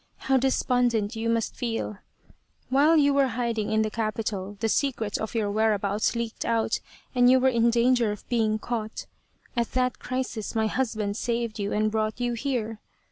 How despondent you must feel ! While you were hiding in the capital the secret of your whereabouts leaked out, and you were in danger of being caught at that crisis my husband saved you and brought you here.